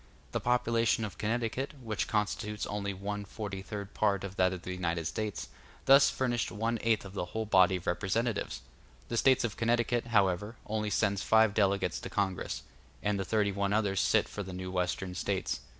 The population of Connecticut, which constitutes only one forty third part of that of the United States, thus furnished one eighth of the whole body of representatives. The States of Connecticut, however, only sends five delegates to Congress; and the thirty one others sit for the new Western States.